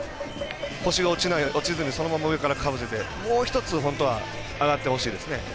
腰が落ちずにそのまま上からかぶせてもう１つ本当は上がってほしいですね。